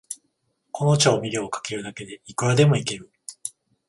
この調味料をかけるだけで、いくらでもイケる